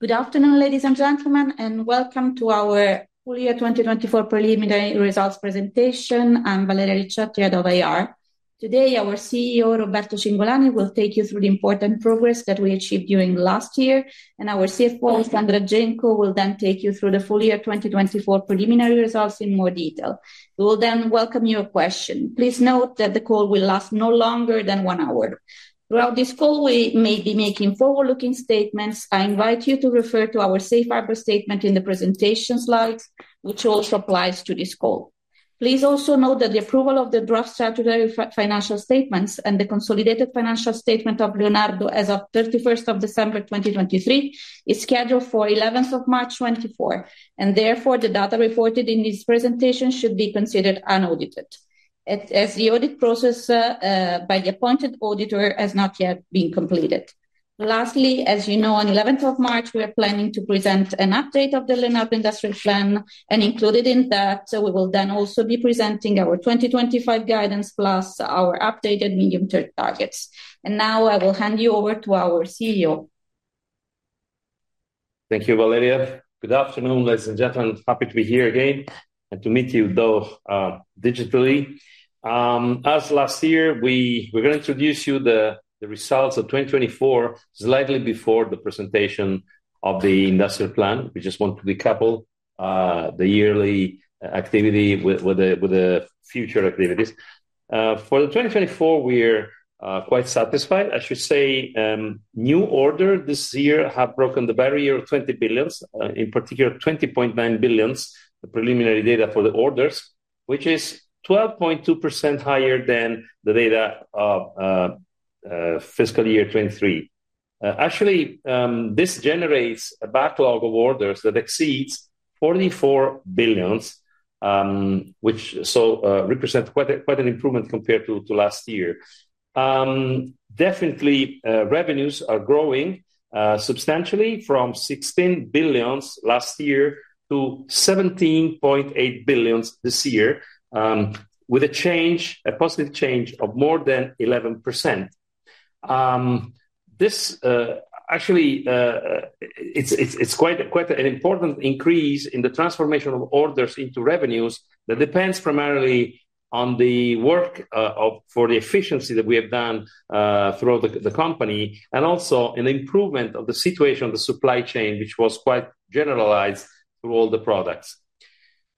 Good afternoon, ladies and gentlemen, and welcome to our full year 2024 preliminary results presentation. I'm Valeria Ricciotti, Head of IR. Today, our CEO, Roberto Cingolani, will take you through the important progress that we achieved during last year, and our CFO, Alessandra Genco, will then take you through the full year 2024 preliminary results in more detail. We will then welcome your questions. Please note that the call will last no longer than one hour. Throughout this call, we may be making forward-looking statements. I invite you to refer to our safe harbor statement in the presentation slides, which also applies to this call. Please also note that the approval of the draft statutory financial statements and the consolidated financial statement of Leonardo as of December 31, 2023 is scheduled for March 11, 2024, and therefore the data reported in this presentation should be considered unaudited, as the audit process by the appointed auditor has not yet been completed. Lastly, as you know, on 11th of March, we are planning to present an update of the Leonardo Industrial Plan, and included in that, we will then also be presenting our 2025 guidance plus our updated medium-term targets. And now I will hand you over to our CEO. Thank you, Valeria. Good afternoon, ladies and gentlemen. Happy to be here again and to meet you though digitally. As last year, we're going to introduce you to the results of 2024 slightly before the presentation of the Industrial Plan. We just want to decouple the yearly activity with the future activities. For 2024, we're quite satisfied, I should say. New orders this year have broken the barrier of 20 billion, in particular 20.9 billion, the preliminary data for the orders, which is 12.2% higher than the data of fiscal year 2023. Actually, this generates a backlog of orders that exceeds 44 billion, which represents quite an improvement compared to last year. Definitely, revenues are growing substantially from 16 billion last year to 17.8 billion this year, with a change, a positive change of more than 11%. This actually, it's quite an important increase in the transformation of orders into revenues that depends primarily on the work for the efficiency that we have done throughout the company and also an improvement of the situation of the supply chain, which was quite generalized through all the products.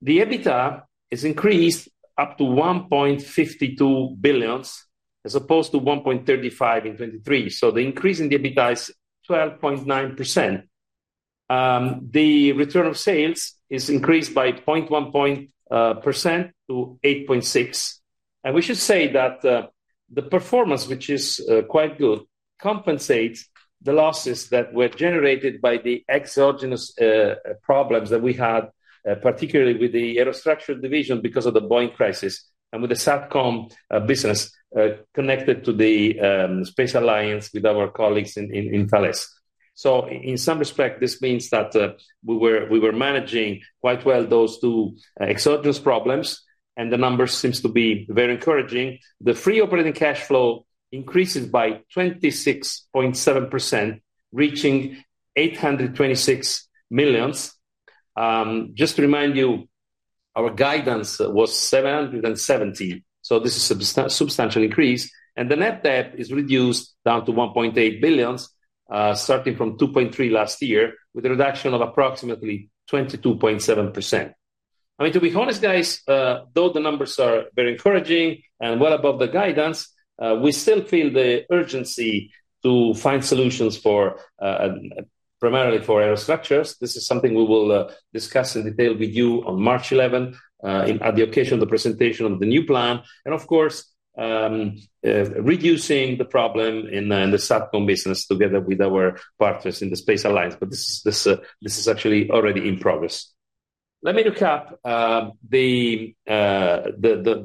The EBITDA has increased up to 1.52 billion as opposed to 1.35 billion in 2023. So the increase in the EBITDA is 12.9%. The return of sales has increased by 0.1% to 8.6%. And we should say that the performance, which is quite good, compensates the losses that were generated by the exogenous problems that we had, particularly with the Aerostructure division because of the Boeing crisis and with the SATCOM business connected to the Space Alliance with our colleagues in Thales. In some respect, this means that we were managing quite well those two exogenous problems, and the number seems to be very encouraging. The free operating cash flow increases by 26.7%, reaching 826 million. Just to remind you, our guidance was 770 million. This is a substantial increase. The net debt is reduced down to 1.8 billion, starting from 2.3 billion last year with a reduction of approximately 22.7%. I mean, to be honest, guys, though the numbers are very encouraging and well above the guidance, we still feel the urgency to find solutions primarily for Aerostructures. This is something we will discuss in detail with you on March 11 at the occasion of the presentation of the new plan and, of course, reducing the problem in the Satcom business together with our partners in the Space Alliance. This is actually already in progress. Let me recap the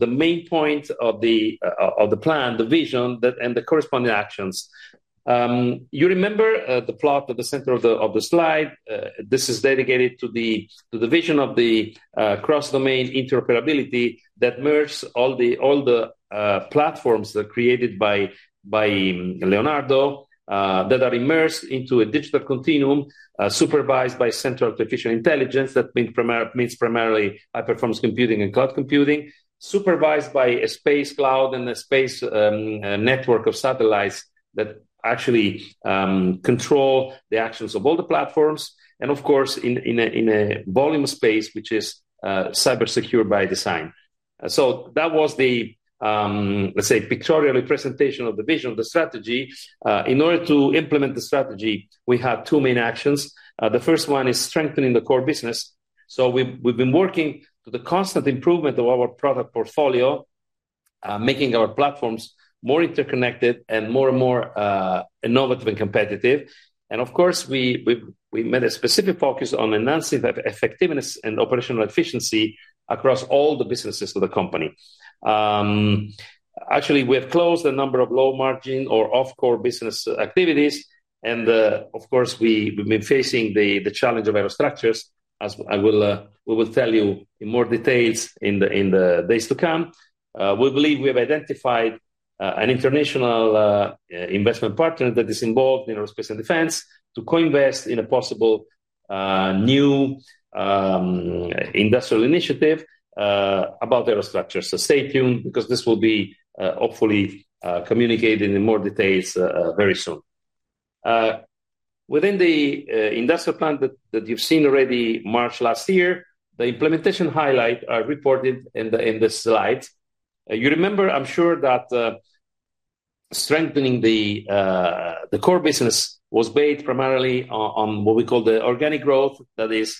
main points of the plan, the vision, and the corresponding actions. You remember the plot at the center of the slide. This is dedicated to the vision of the cross-domain interoperability that merges all the platforms that are created by Leonardo that are immersed into a digital continuum supervised by central artificial intelligence that means primarily high-performance computing and cloud computing, supervised by a space cloud and a space network of satellites that actually control the actions of all the platforms, and of course, in a volume space, which is cybersecure by design. So that was the, let's say, pictorially presentation of the vision of the strategy. In order to implement the strategy, we had two main actions. The first one is strengthening the core business. So we've been working to the constant improvement of our product portfolio, making our platforms more interconnected and more and more innovative and competitive. And of course, we made a specific focus on enhancing effectiveness and operational efficiency across all the businesses of the company. Actually, we have closed a number of low-margin or off-core business activities. And of course, we've been facing the challenge of Aerostructures, as I will tell you in more details in the days to come. We believe we have identified an international investment partner that is involved in aerospace and defense to co-invest in a possible new industrial initiative about Aerostructures. So stay tuned because this will be hopefully communicated in more details very soon. Within the Industrial Plan that you've seen already March last year, the implementation highlights are reported in the slides. You remember, I'm sure, that strengthening the core business was based primarily on what we call the organic growth, that is,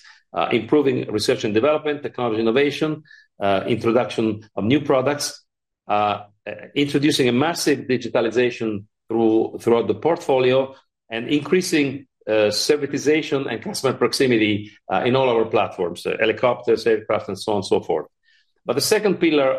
improving research and development, technology innovation, introduction of new products, introducing a massive digitalization throughout the portfolio, and increasing servitization and customer proximity in all our platforms, helicopters, aircraft, and so on and so forth. But the second pillar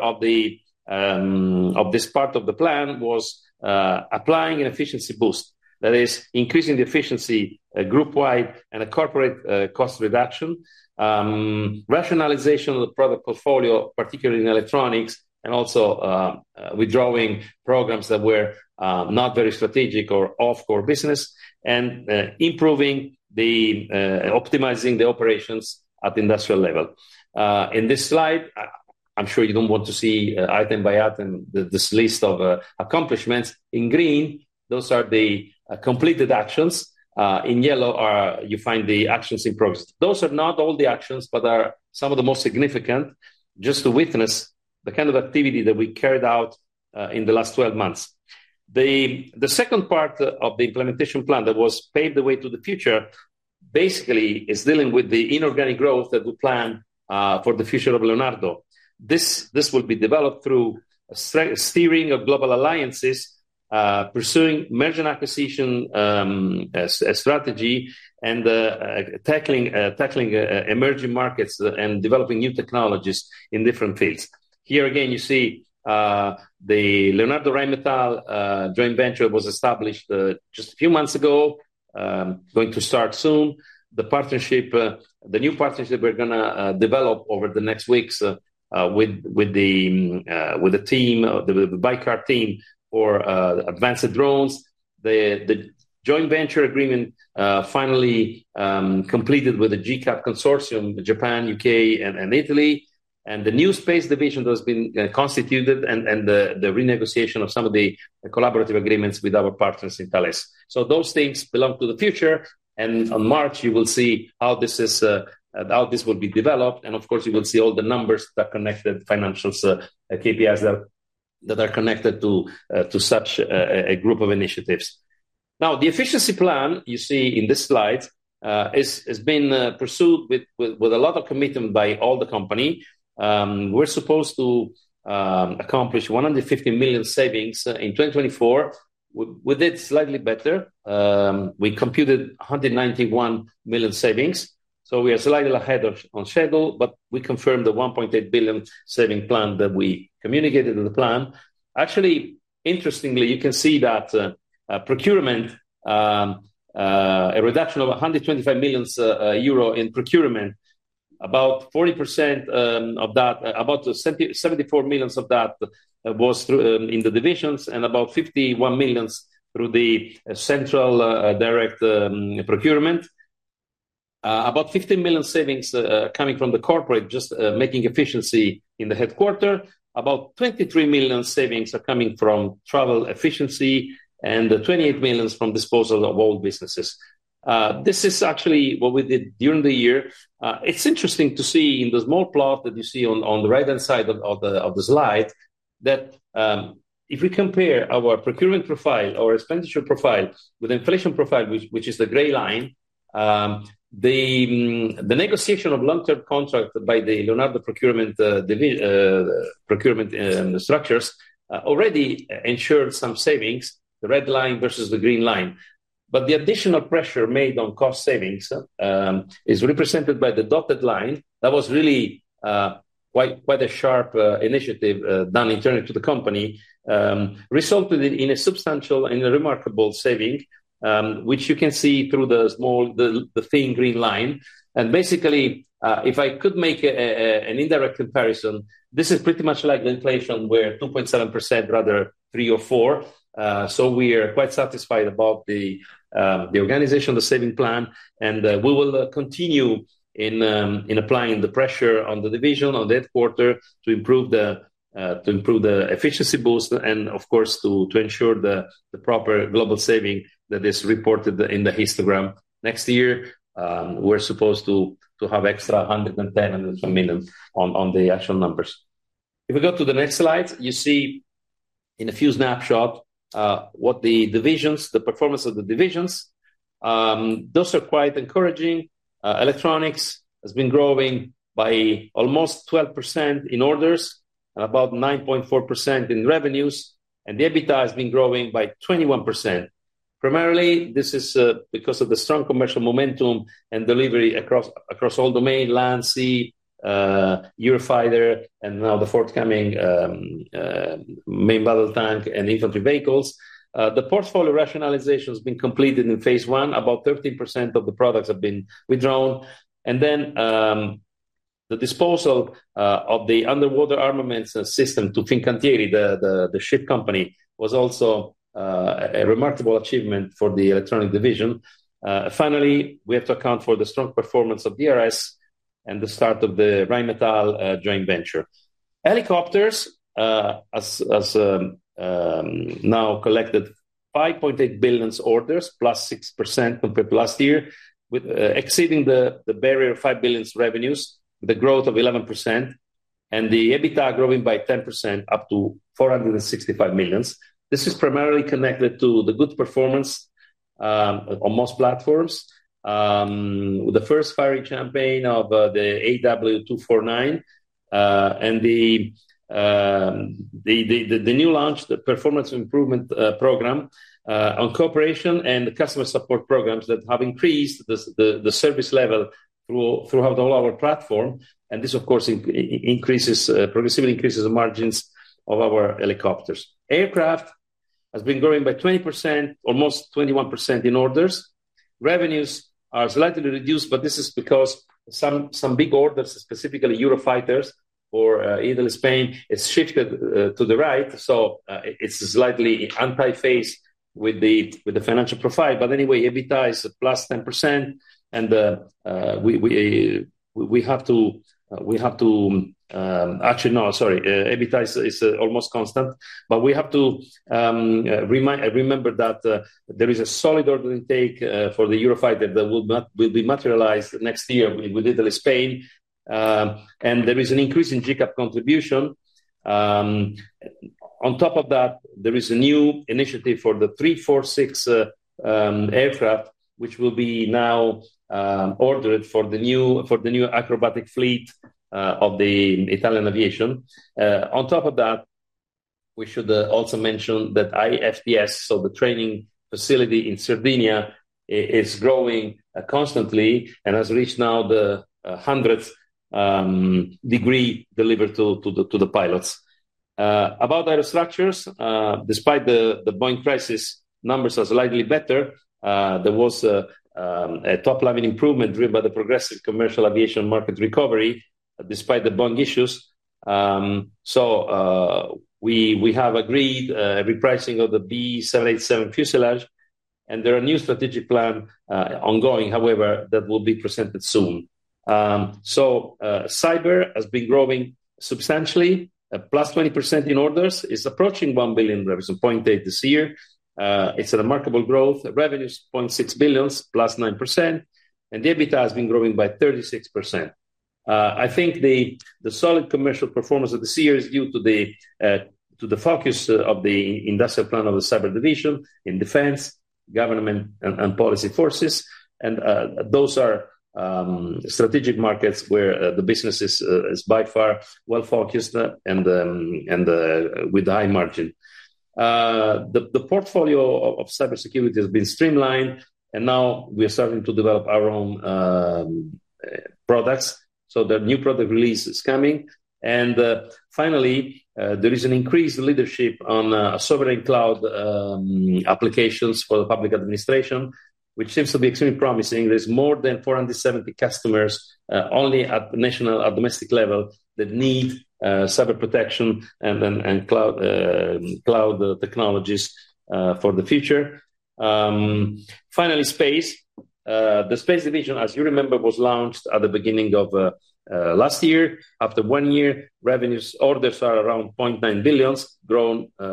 of this part of the plan was applying an efficiency boost, that is, increasing the efficiency group-wide and a corporate cost reduction, rationalization of the product portfolio, particularly in electronics, and also withdrawing programs that were not very strategic or off-core business, and optimizing the operations at the industrial level. In this slide, I'm sure you don't want to see item by item this list of accomplishments. In green, those are the completed actions. In yellow, you find the actions in progress. Those are not all the actions, but are some of the most significant just to witness the kind of activity that we carried out in the last 12 months. The second part of the implementation plan that was paved the way to the future basically is dealing with the inorganic growth that we planned for the future of Leonardo. This will be developed through steering of global alliances, pursuing merger acquisition strategy, and tackling emerging markets and developing new technologies in different fields. Here again, you see the Leonardo Rheinmetall joint venture was established just a few months ago, going to start soon. The new partnership we're going to develop over the next weeks with the team, the BAYKAR team for advanced drones. The joint venture agreement finally completed with the GCAP Consortium, Japan, U.K., and Italy, and the new space division that has been constituted and the renegotiation of some of the collaborative agreements with our partners in Thales, so those things belong to the future, and on March, you will see how this will be developed, and of course, you will see all the numbers that are connected, financials, KPIs that are connected to such a group of initiatives. Now, the efficiency plan you see in this slide has been pursued with a lot of commitment by all the company. We're supposed to accomplish 150 million savings in 2024. We did slightly better. We computed 191 million savings. So we are slightly ahead on schedule, but we confirmed the 1.8 billion saving plan that we communicated in the plan. Actually, interestingly, you can see that procurement, a reduction of 125 million euro in procurement, about 40% of that, about 74 million of that was in the divisions and about 51 million through the central direct procurement. About 15 million savings coming from the corporate just making efficiency in the headquarters. About 23 million savings are coming from travel efficiency and 28 million from disposal of old businesses. This is actually what we did during the year. It's interesting to see in the small plot that you see on the right-hand side of the slide that if we compare our procurement profile, our expenditure profile with the inflation profile, which is the gray line, the negotiation of long-term contract by the Leonardo procurement structures already ensured some savings, the red line versus the green line. But the additional pressure made on cost savings is represented by the dotted line that was really quite a sharp initiative done internally to the company, resulted in a substantial and remarkable saving, which you can see through the thin green line. And basically, if I could make an indirect comparison, this is pretty much like the inflation where 2.7%, rather than three or four. So we are quite satisfied about the organization of the saving plan. And we will continue in applying the pressure on the division, on the headquarter to improve the efficiency boost and, of course, to ensure the proper global saving that is reported in the histogram. Next year, we're supposed to have extra 110 million on the actual numbers. If we go to the next slide, you see in a few snapshots what the divisions, the performance of the divisions, those are quite encouraging. Electronics has been growing by almost 12% in orders and about 9.4% in revenues, and the EBITDA has been growing by 21%. Primarily, this is because of the strong commercial momentum and delivery across all domain, land, sea, Eurofighter, and now the forthcoming main battle tank and infantry vehicles. The portfolio rationalization has been completed in phase one. About 13% of the products have been withdrawn. And then the disposal of the underwater armaments system to Fincantieri, the ship company, was also a remarkable achievement for the electronic division. Finally, we have to account for the strong performance of DRS and the start of the Rheinmetall joint venture. Helicopters has now collected 5.8 billion orders, plus 6% compared to last year, exceeding the barrier of 5 billion revenues, the growth of 11%, and the EBITDA growing by 10% up to 465 million. This is primarily connected to the good performance on most platforms with the first firing campaign of the AW249 and the new launch, the performance improvement program on cooperation and customer support programs that have increased the service level throughout all our platform. This, of course, increases, progressively increases the margins of our helicopters. Aircraft has been growing by 20%, almost 21% in orders. Revenues are slightly reduced, but this is because some big orders, specifically Eurofighters for Italy, Spain, has shifted to the right. It's slightly anti-phase with the financial profile. Anyway, EBITDA is plus 10%. We have to actually know, sorry, EBITDA is almost constant, but we have to remember that there is a solid order intake for the Eurofighter that will be materialized next year with Italy, Spain. There is an increase in GCAP contribution. On top of that, there is a new initiative for the 346 aircraft, which will now be ordered for the new acrobatic fleet of the Italian aviation. On top of that, we should also mention that IFTS, so the training facility in Sardinia, is growing constantly and has reached now the 100th degree delivered to the pilots. About Aerostructures, despite the Boeing crisis, numbers are slightly better. There was a top-level improvement driven by the progressive commercial aviation market recovery despite the Boeing issues. So we have agreed a repricing of the B787 fuselage. And there are new strategic plans ongoing, however, that will be presented soon. So cyber has been growing substantially, plus 20% in orders. It's approaching 1 billion revenue, 0.8 billion this year. It's a remarkable growth. Revenue is 0.6 billion, plus 9%. And the EBITDA has been growing by 36%. I think the solid commercial performance of this year is due to the focus of the industrial plan of the cyber division in defense, government, and police forces, and those are strategic markets where the business is by far well focused and with high margin. The portfolio of cybersecurity has been streamlined, and now we are starting to develop our own products, so the new product release is coming, and finally, there is an increased leadership on sovereign cloud applications for the public administration, which seems to be extremely promising. There's more than 470 customers only at national or domestic level that need cyber protection and cloud technologies for the future. Finally, space. The space division, as you remember, was launched at the beginning of last year. After one year, revenue orders are around 0.9 billion,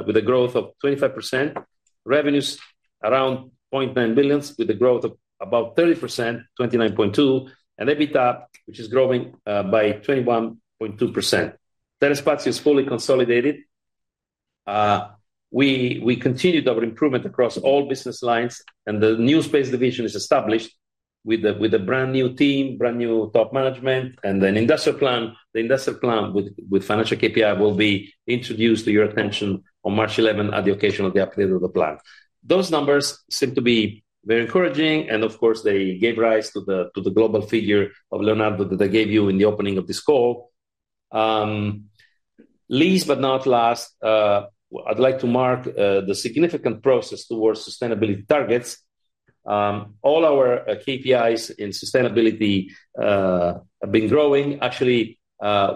with a growth of 25%. Revenues around 0.9 billion with a growth of about 30%, 29.2%. And EBITDA, which is growing by 21.2%. Telespazio is fully consolidated. We continued our improvement across all business lines. And the new space division is established with a brand new team, brand new top management. And then the industrial plan, the industrial plan with financial KPI will be introduced to your attention on March 11 at the occasion of the update of the plan. Those numbers seem to be very encouraging. And of course, they gave rise to the global figure of Leonardo that I gave you in the opening of this call. Last but not least, I'd like to mark the significant progress towards sustainability targets. All our KPIs in sustainability have been growing. Actually,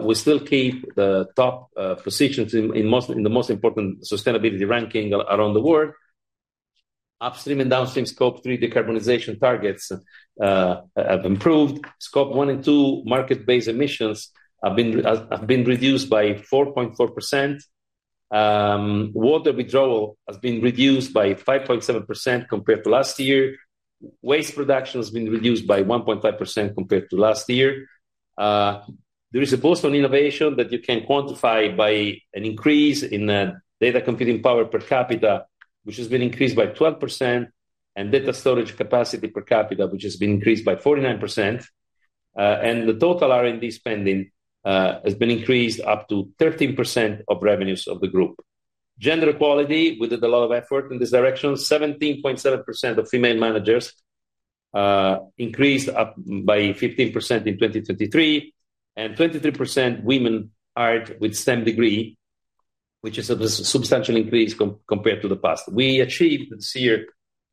we still keep the top positions in the most important sustainability ranking around the world. Upstream and downstream Scope 3 decarbonization targets have improved. Scope 1 and 2 market-based emissions have been reduced by 4.4%. Water withdrawal has been reduced by 5.7% compared to last year. Waste production has been reduced by 1.5% compared to last year. There is a boost on innovation that you can quantify by an increase in data computing power per capita, which has been increased by 12%, and data storage capacity per capita, which has been increased by 49%. And the total R&D spending has been increased up to 13% of revenues of the group. Gender equality, with a lot of effort in this direction. 17.7% of female managers increased by 15% in 2023. And 23% women hired with STEM degree, which is a substantial increase compared to the past. We achieved this year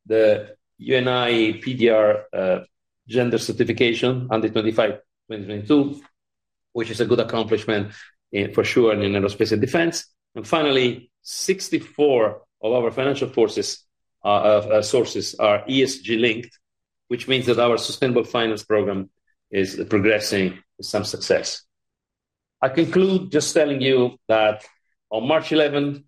the UNI/PdR 125:2022 gender certification, which is a good accomplishment for sure in aerospace and defense. Finally, 64 of our financial sources are ESG linked, which means that our sustainable finance program is progressing with some success. I conclude just telling you that on March 11,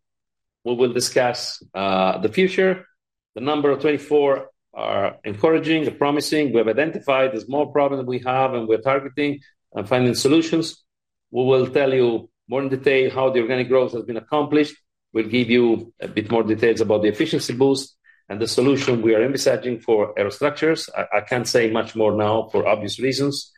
we will discuss the future. The numbers for 2024 are encouraging and promising. We have identified the small problems that we have and we're targeting and finding solutions. We will tell you more in detail how the organic growth has been accomplished. We'll give you a bit more details about the efficiency boost and the solution we are envisaging for Aerostructures. I can't say much more now for obvious reasons.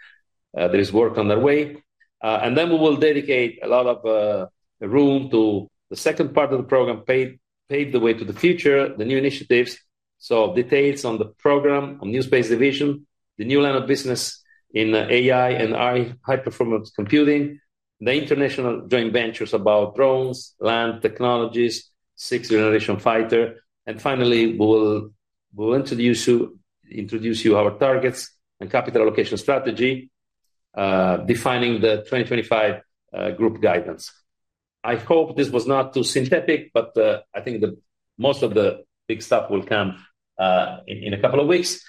There is work on the way. And then we will dedicate a lot of room to the second part of the program, Pave the Way to the Future, the new initiatives. So details on the program, on new space division, the new line of business in AI and high-performance computing, the international joint ventures about drones, land technologies, sixth-generation fighter. And finally, we will introduce you to our targets and capital allocation strategy, defining the 2025 group guidance. I hope this was not too synthetic, but I think most of the big stuff will come in a couple of weeks.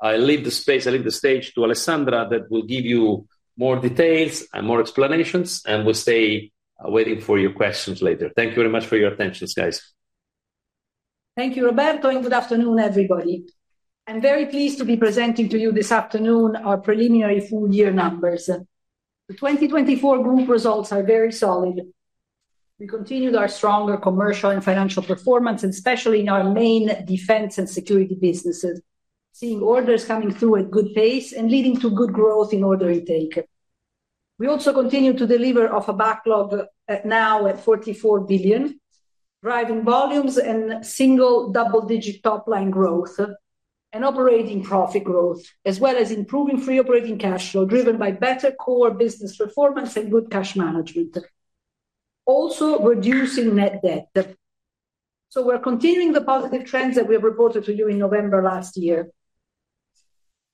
I leave the space, I leave the stage to Alessandra that will give you more details and more explanations and will stay waiting for your questions later. Thank you very much for your attention, guys. Thank you, Roberto, and good afternoon, everybody. I'm very pleased to be presenting to you this afternoon our preliminary full year numbers. The 2024 group results are very solid. We continued our stronger commercial and financial performance, especially in our main defense and security businesses, seeing orders coming through at good pace and leading to good growth in order intake. We also continue to deliver off a backlog now at 44 billion, driving volumes and single double-digit top-line growth and operating profit growth, as well as improving free operating cash flow driven by better core business performance and good cash management, also reducing net debt, so we're continuing the positive trends that we have reported to you in November last year.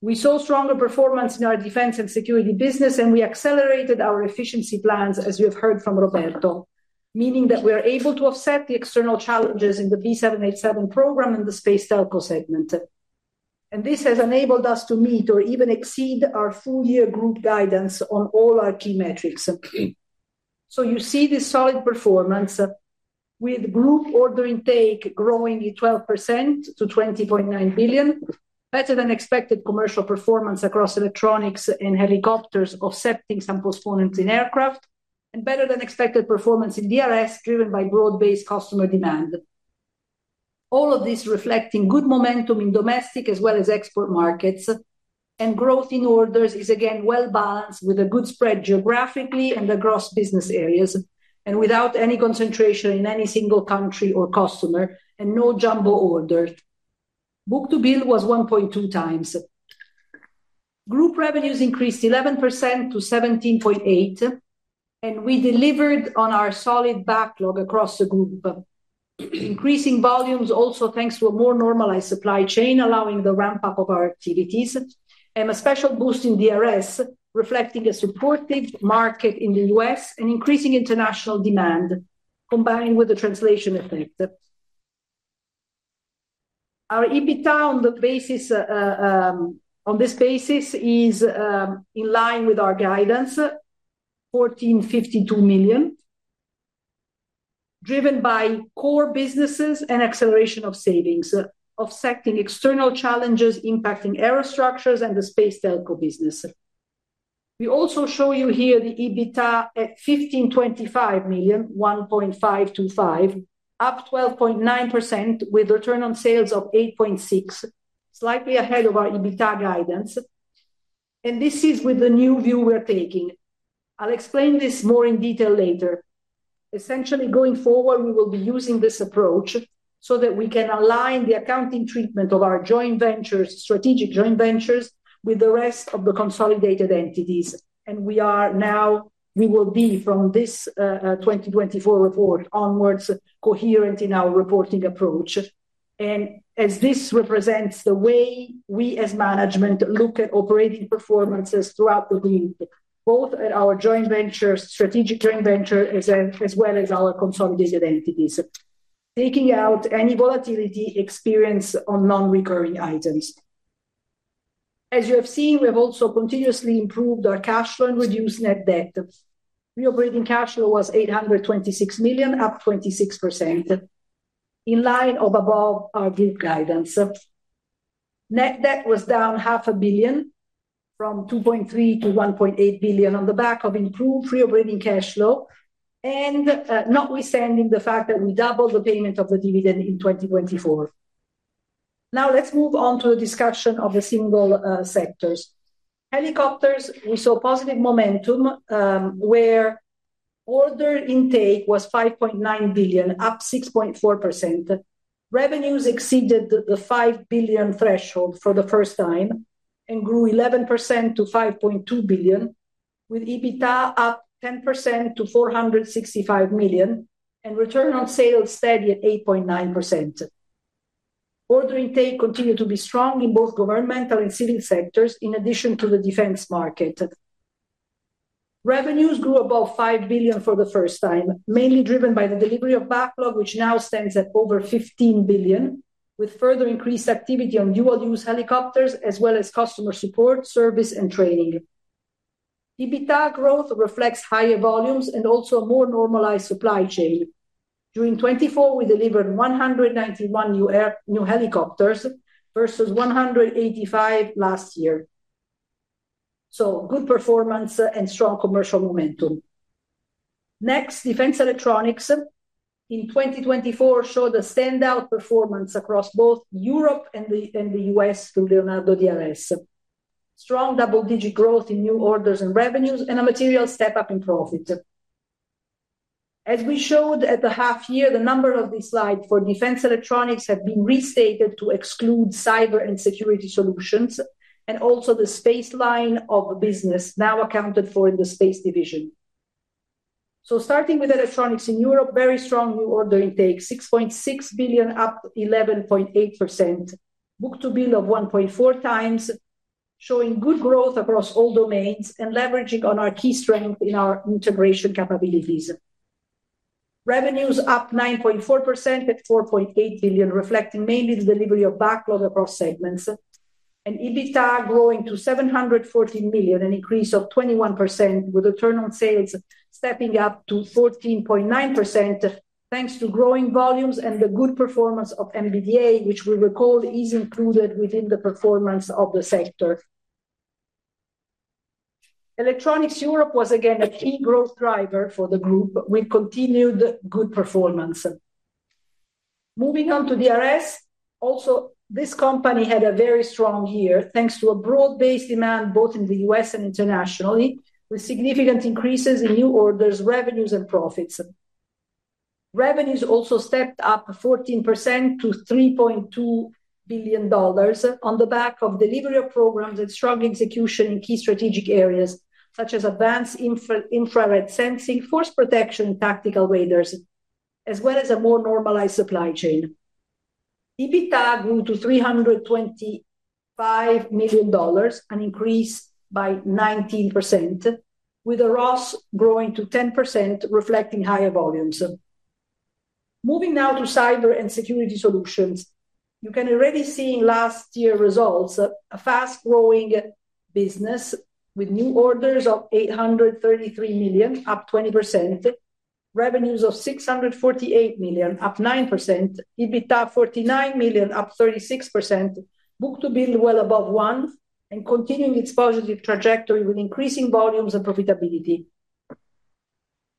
We saw stronger performance in our defense and security business, and we accelerated our efficiency plans, as you have heard from Roberto, meaning that we are able to offset the external challenges in the B787 program and the space telco segment. And this has enabled us to meet or even exceed our full year group guidance on all our key metrics. So you see this solid performance with group order intake growing 12% to 20.9 billion, better than expected commercial performance across electronics and helicopters, offsetting some postponements in aircraft, and better than expected performance in DRS driven by broad-based customer demand. All of this reflecting good momentum in domestic as well as export markets. And growth in orders is again well balanced with a good spread geographically and across business areas, and without any concentration in any single country or customer and no jumbo orders. Book-to-bill was 1.2 times. Group revenues increased 11% to 17.8 billion, and we delivered on our solid backlog across the group, increasing volumes also thanks to a more normalized supply chain allowing the ramp-up of our activities and a special boost in DRS reflecting a supportive market in the U.S. and increasing international demand combined with the translation effect. Our EBITDA on this basis is in line with our guidance, 1,452 million, driven by core businesses and acceleration of savings, offsetting external challenges impacting Aerostructures and the space telco business. We also show you here the EBITDA at 1,525 million, 1.525, up 12.9% with return on sales of 8.6%, slightly ahead of our EBITDA guidance. This is with the new view we're taking. I'll explain this more in detail later. Essentially, going forward, we will be using this approach so that we can align the accounting treatment of our joint ventures, strategic joint ventures with the rest of the consolidated entities, and we are now. We will be from this 2024 report onwards coherent in our reporting approach, and as this represents the way we as management look at operating performances throughout the group, both at our joint ventures, strategic joint ventures, as well as our consolidated entities, taking out any volatility experience on non-recurring items. As you have seen, we have also continuously improved our cash flow and reduced net debt. Free operating cash flow was 826 million, up 26%, in line or above our group guidance. Net debt was down 0.5 billion from 2.3 billion to 1.8 billion on the back of improved free operating cash flow and notwithstanding the fact that we doubled the payment of the dividend in 2024. Now let's move on to the discussion of the single sectors. Helicopters, we saw positive momentum where order intake was 5.9 billion, up 6.4%. Revenues exceeded the 5 billion threshold for the first time and grew 11% to 5.2 billion, with EBITDA up 10% to 465 million and return on sales steady at 8.9%. Order intake continued to be strong in both governmental and civil sectors, in addition to the defense market. Revenues grew above 5 billion for the first time, mainly driven by the delivery of backlog, which now stands at over 15 billion, with further increased activity on dual-use helicopters, as well as customer support, service, and training. EBITDA growth reflects higher volumes and also a more normalized supply chain. During 2024, we delivered 191 new helicopters versus 185 last year. So good performance and strong commercial momentum. Next, defense electronics in 2024 showed a standout performance across both Europe and the U.S. through Leonardo DRS. Strong double-digit growth in new orders and revenues and a material step up in profit. As we showed at the half year, the number of these slides for defense electronics had been restated to exclude Cyber & Security Solutions, and also the space line of business now accounted for in the space division. So starting with electronics in Europe, very strong new order intake, 6.6 billion, up 11.8%, book-to-bill of 1.4 times, showing good growth across all domains and leveraging on our key strength in our integration capabilities. Revenues up 9.4% at 4.8 billion, reflecting mainly the delivery of backlog across segments, and EBITDA growing to 714 million, an increase of 21%, with return on sales stepping up to 14.9% thanks to growing volumes and the good performance of MBDA, which we recall is included within the performance of the sector. Electronics Europe was again a key growth driver for the group with continued good performance. Moving on to DRS, also this company had a very strong year thanks to a broad-based demand both in the U.S. and internationally, with significant increases in new orders, revenues, and profits. Revenues also stepped up 14% to $3.2 billion on the back of delivery of programs and strong execution in key strategic areas such as advanced infrared sensing, force protection, and tactical radars, as well as a more normalized supply chain. EBITDA grew to $325 million and increased by 19%, with the ROS growing to 10%, reflecting higher volumes. Moving now to Cyber & Security Solutions. You can already see in last year's results, a fast-growing business with new orders of 833 million, up 20%, revenues of 648 million, up 9%, EBITDA 49 million, up 36%, book to bill well above one, and continuing its positive trajectory with increasing volumes and profitability.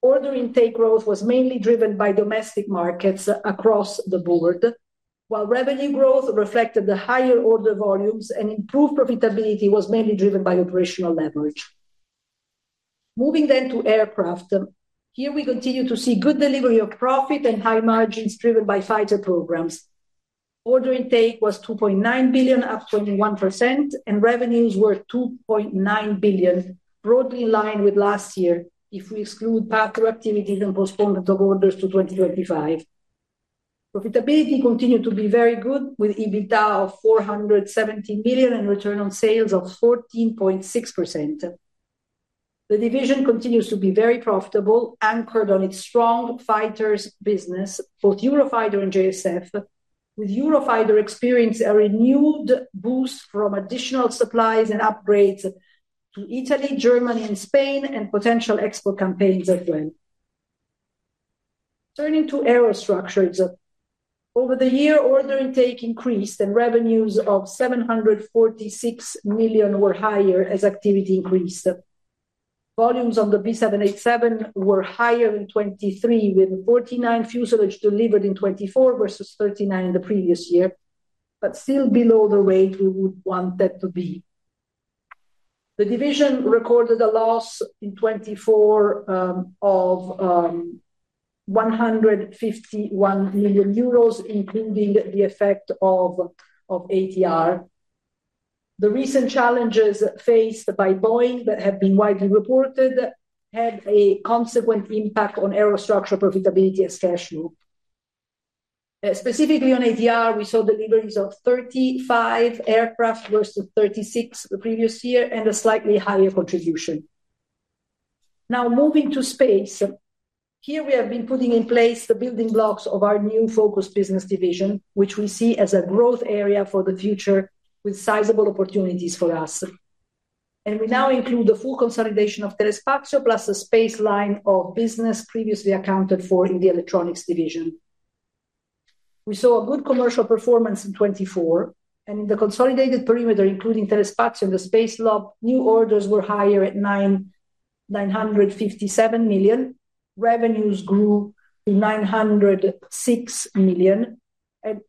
Order intake growth was mainly driven by domestic markets across the board, while revenue growth reflected the higher order volumes and improved profitability was mainly driven by operational leverage. Moving then to aircraft, here we continue to see good delivery of profit and high margins driven by fighter programs. Order intake was 2.9 billion, up 21%, and revenues were 2.9 billion, broadly in line with last year if we exclude passive activities and postponement of orders to 2025. Profitability continued to be very good with EBITDA of 470 million and return on sales of 14.6%. The division continues to be very profitable, anchored on its strong fighters business, both Eurofighter and JSF, with Eurofighter experiencing a renewed boost from additional supplies and upgrades to Italy, Germany, and Spain, and potential export campaigns as well. Turning to Aerostructures, over the year, order intake increased and revenues of 746 million were higher as activity increased. Volumes on the B787 were higher in 2023, with 49 fuselages delivered in 2024 versus 39 in the previous year, but still below the rate we would want that to be. The division recorded a loss in 2024 of 151 million euros, including the effect of ATR. The recent challenges faced by Boeing that have been widely reported had a consequent impact on Aerostructure profitability as cash flow. Specifically on ATR, we saw deliveries of 35 aircraft versus 36 the previous year and a slightly higher contribution. Now moving to space, here we have been putting in place the building blocks of our new focus business division, which we see as a growth area for the future with sizable opportunities for us. We now include the full consolidation of Telespazio plus the space line of business previously accounted for in the electronics division. We saw a good commercial performance in 2024, and in the consolidated perimeter, including Telespazio and the space line, new orders were higher at 957 million. Revenues grew to 906 million, and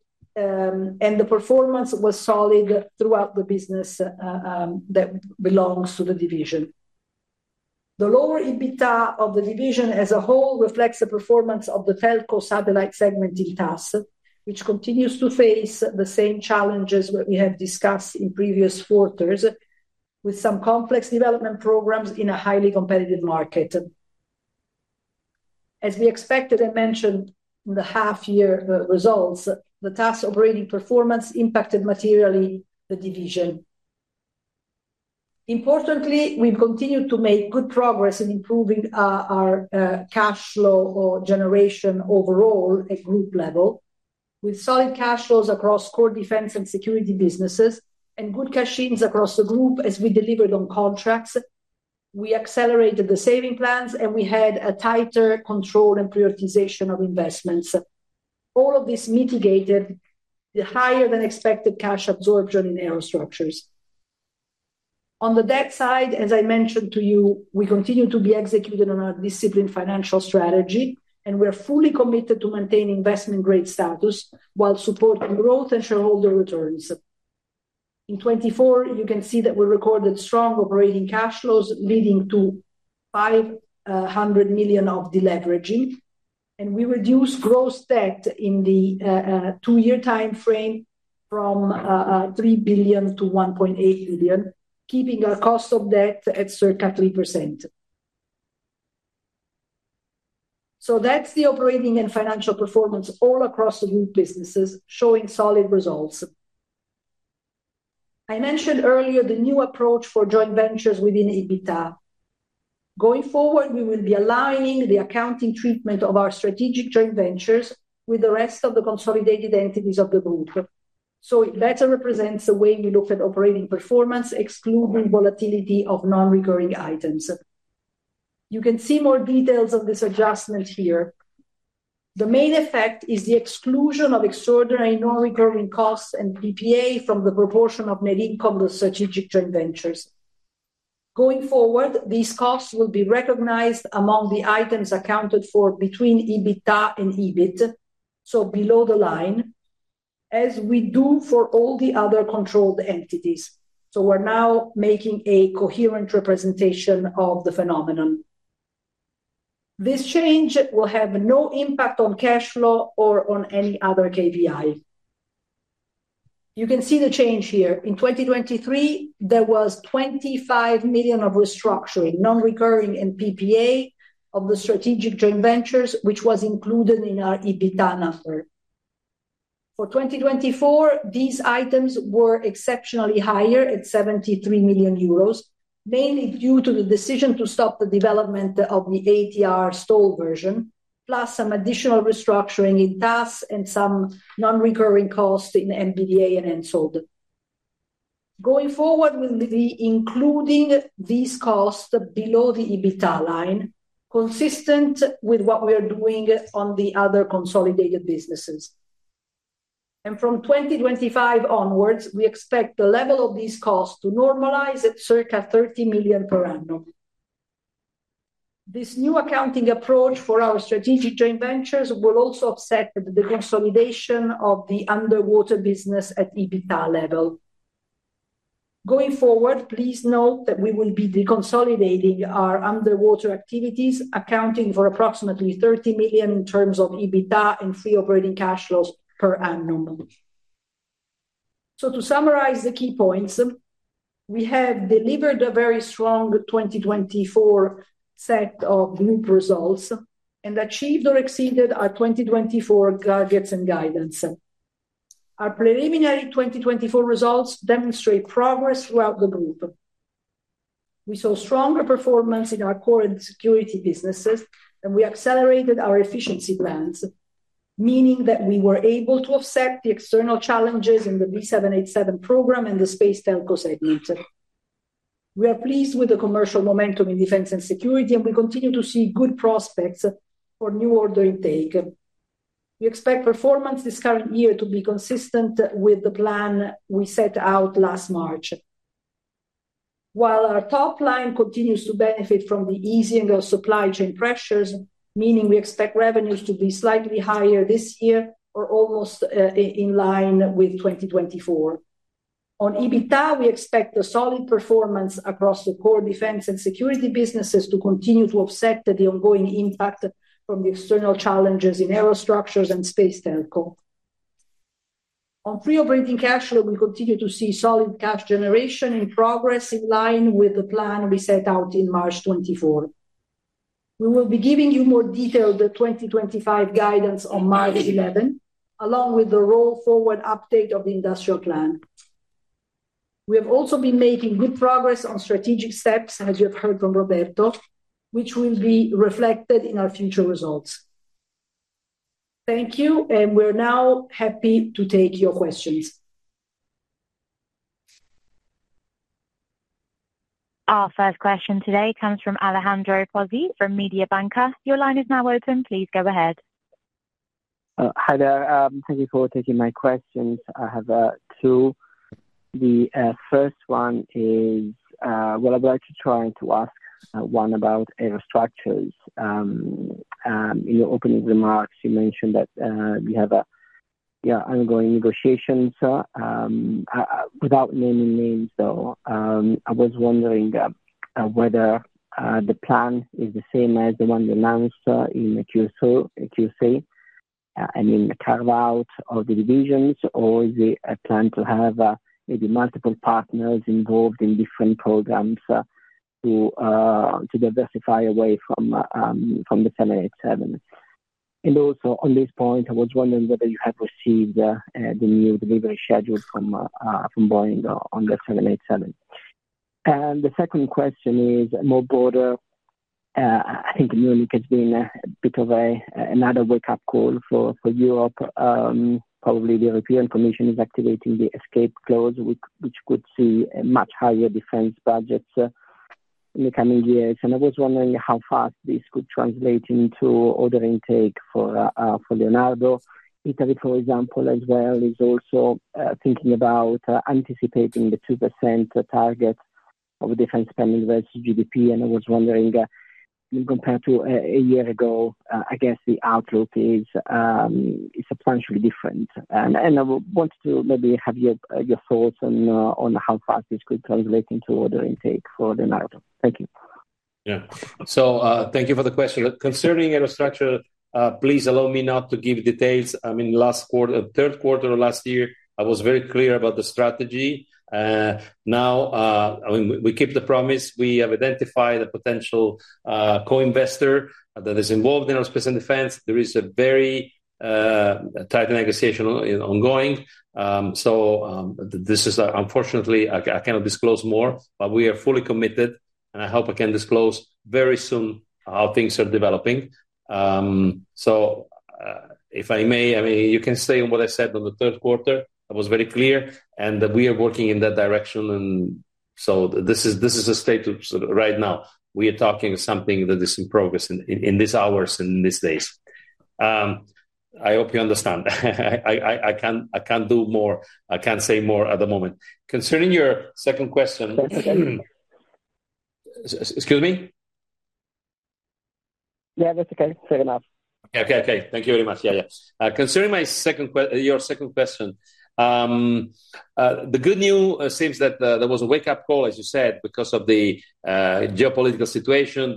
the performance was solid throughout the business that belongs to the division. The lower EBITDA of the division as a whole reflects the performance of the telco satellite segment in TAS, which continues to face the same challenges that we have discussed in previous quarters, with some complex development programs in a highly competitive market. As we expected and mentioned in the half-year results, the TAS operating performance impacted materially the division. Importantly, we've continued to make good progress in improving our cash flow generation overall at group level, with solid cash flows across core defense and security businesses and good cash-ins across the group as we delivered on contracts. We accelerated the savings plans, and we had a tighter control and prioritization of investments. All of this mitigated the higher than expected cash absorption in Aerostructures. On the debt side, as I mentioned to you, we continue to be executed on our disciplined financial strategy, and we are fully committed to maintaining investment-grade status while supporting growth and shareholder returns. In 2024, you can see that we recorded strong operating cash flows leading to 500 million of deleveraging, and we reduced gross debt in the two-year timeframe from 3 billion to 1.8 billion, keeping our cost of debt at circa 3%. So that's the operating and financial performance all across the group businesses showing solid results. I mentioned earlier the new approach for joint ventures within EBITDA. Going forward, we will be aligning the accounting treatment of our strategic joint ventures with the rest of the consolidated entities of the group. So it better represents the way we look at operating performance, excluding volatility of non-recurring items. You can see more details of this adjustment here. The main effect is the exclusion of extraordinary non-recurring costs and PPA from the proportion of net income of the strategic joint ventures. Going forward, these costs will be recognized among the items accounted for between EBITDA and EBIT, so below the line, as we do for all the other controlled entities. So we're now making a coherent representation of the phenomenon. This change will have no impact on cash flow or on any other KPI. You can see the change here. In 2023, there was 25 million EUR of restructuring, non-recurring, and PPA of the strategic joint ventures, which was included in our EBITDA number. For 2024, these items were exceptionally higher at 73 million euros, mainly due to the decision to stop the development of the ATR STOL version, plus some additional restructuring in TAS and some non-recurring costs in MBDA and HENSOLDT. Going forward, we'll be including these costs below the EBITDA line, consistent with what we are doing on the other consolidated businesses. And from 2025 onwards, we expect the level of these costs to normalize at circa 30 million per annum. This new accounting approach for our strategic joint ventures will also upset the consolidation of the underwater business at EBITDA level. Going forward, please note that we will be deconsolidating our underwater activities, accounting for approximately 30 million in terms of EBITDA and free operating cash flows per annum. So to summarize the key points, we have delivered a very strong 2024 set of group results and achieved or exceeded our 2024 targets and guidance. Our preliminary 2024 results demonstrate progress throughout the group. We saw stronger performance in our core and security businesses, and we accelerated our efficiency plans, meaning that we were able to offset the external challenges in the B787 program and the space telco segment. We are pleased with the commercial momentum in defense and security, and we continue to see good prospects for new order intake. We expect performance this current year to be consistent with the plan we set out last March. While our top line continues to benefit from the easing of supply chain pressures, meaning we expect revenues to be slightly higher this year or almost in line with 2024. On EBITDA, we expect a solid performance across the core defense and security businesses to continue to offset the ongoing impact from the external challenges in Aerostructures and space telco. On Free Operating Cash Flow, we continue to see solid cash generation in progress in line with the plan we set out in March 2024. We will be giving you more detailed 2025 guidance on March 11, 2025, along with the roll forward update of the industrial plan. We have also been making good progress on strategic steps, as you have heard from Roberto, which will be reflected in our future results. Thank you, and we're now happy to take your questions. Our first question today comes from Alessandro Pozzi from Mediobanca. Your line is now open. Please go ahead. Hi there. Thank you for taking my questions. I have two. The first one is, well, I'd like to try to ask one about Aerostructures. In your opening remarks, you mentioned that you have ongoing negotiations. Without naming names, though, I was wondering whether the plan is the same as the one you announced in Q3 and in the carve-out of the divisions, or is it planned to have maybe multiple partners involved in different programs to diversify away from the 787? And also, on this point, I was wondering whether you have received the new delivery schedule from Boeing on the 787. And the second question is more broader. I think Munich has been a bit of another wake-up call for Europe. Probably the European Commission is activating the escape clause, which could see much higher defense budgets in the coming years. And I was wondering how fast this could translate into order intake for Leonardo. Italy, for example, as well, is also thinking about anticipating the 2% target of defense spending versus GDP. I was wondering, compared to a year ago, I guess the outlook is substantially different. I wanted to maybe have your thoughts on how fast this could translate into order intake for Leonardo. Thank you. Yeah. Thank you for the question. Concerning Aerostructure, please allow me not to give details. I mean, last quarter, third quarter of last year, I was very clear about the strategy. Now, we keep the promise. We have identified a potential co-investor that is involved in aerospace and defense. There is a very tight negotiation ongoing. So this is, unfortunately, I cannot disclose more, but we are fully committed, and I hope I can disclose very soon how things are developing. If I may, I mean, you can stay on what I said on the third quarter. I was very clear, and we are working in that direction. This is a state right now. We are talking something that is in progress in these hours and in these days. I hope you understand. I can't do more. I can't say more at the moment. Concerning your second question. Excuse me? Yeah, that's okay. Fair enough. Okay. Thank you very much. Yeah. Concerning my second question, your second question, the good news seems that there was a wake-up call, as you said, because of the geopolitical situation,